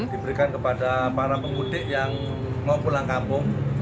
diberikan kepada para pemudik yang mau pulang kampung